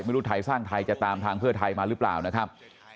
ไม่รู้ไทยสร้างไทยจะตามทางเพื่อไทยมาหรือเปล่านะครับ